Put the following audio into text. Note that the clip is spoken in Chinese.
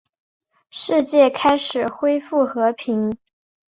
世界开始恢复和平。